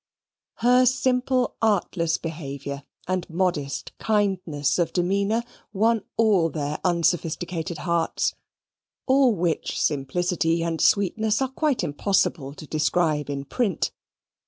Her simple artless behaviour, and modest kindness of demeanour, won all their unsophisticated hearts; all which simplicity and sweetness are quite impossible to describe in print.